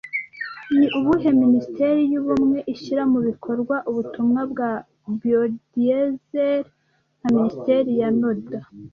Ni ubuhe Minisiteri y'Ubumwe ishyira mu bikorwa ubutumwa bwa Biodiesel (nka Minisiteri ya Nodal)